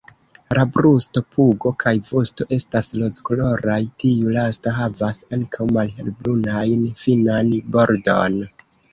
La brusto, pugo kaj vosto estas rozkoloraj, tiu lasta havas ankaŭ malhelbrunajn finan bordon.